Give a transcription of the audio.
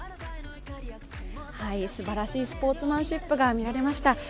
すばらしいスポーツマンシップが見られました。